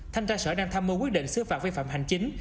thanh tra sở đang tham mưu quyết định xứ phạt vi phạm hành chính